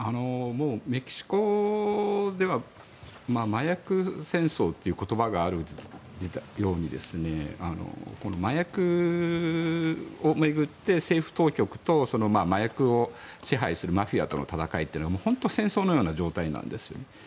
メキシコでは麻薬戦争という言葉があるように麻薬を巡って政府当局と麻薬を支配するマフィアの戦いというのが本当に戦争のような状態なんです。